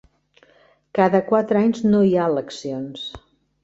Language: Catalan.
Cada quatre anys no hi ha eleccions.